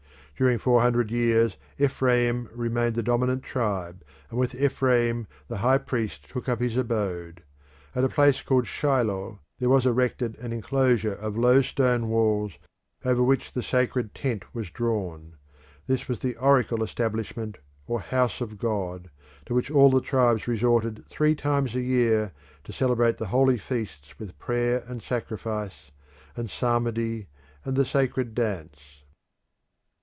During four hundred years Ephraim remained the dominant tribe, and with Ephraim the high priest took up his abode. At a place called Shiloh there was erected an enclosure of low stone walls over which the sacred tent was drawn. This was the oracle establishment, or House of God, to which all the tribes resorted three times a year to celebrate the holy feasts with prayer and sacrifice, and psalmody, and the sacred dance.